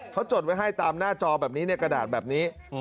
เขาจดไว้ให้ตามหน้าจอขนาดแบบนี้